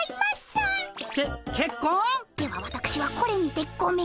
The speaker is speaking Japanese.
ではわたくしはこれにてごめん！